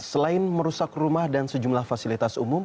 selain merusak rumah dan sejumlah fasilitas umum